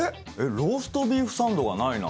ローストビーフサンドがないな。